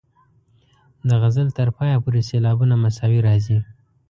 د غزل تر پایه پورې سېلابونه مساوي راځي.